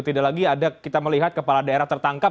tidak lagi ada kita melihat kepala daerah tertangkap